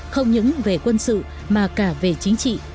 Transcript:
không những về quân sự mà cả về chính trị